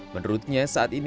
menurutnya saat ini